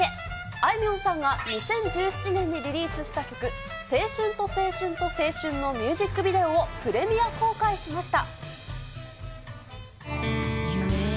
あいみょんさんが２０１７年にリリースした曲、青春と青春と青春のミュージックビデオをプレミア公開しました。